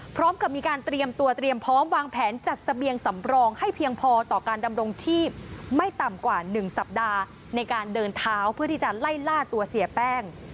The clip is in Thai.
พร้อมกับมีการเตรียมตัวเตรียมพร้อมวางแผนจัดเสบียงสำรองให้เพียงพอต่อการดำรงชีพไม่ต่ำกว่า๑สัปดาห์ในการเดินเท้าเพื่อที่จะไล่ล่าตัวเสียแป้ง